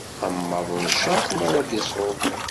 Am waḍu n ccerq mi ara d-isuḍ.